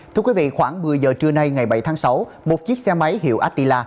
thưa quý vị khoảng một mươi giờ trưa nay ngày bảy tháng sáu một chiếc xe máy hiệu atila